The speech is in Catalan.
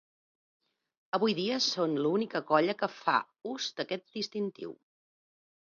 Avui dia són l'única colla que fa ús d'aquest distintiu.